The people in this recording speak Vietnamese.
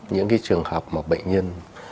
những cái trường hợp mà bệnh nhân